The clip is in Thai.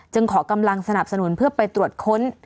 ขอกำลังสนับสนุนเพื่อไปตรวจค้น